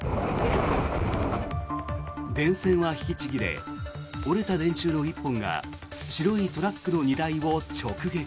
電線は引きちぎれ折れた電柱の１本が白いトラックの荷台を直撃。